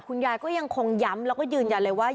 คุณยายก็ยังคงย้ำแล้วก็ยืนยันเลยว่า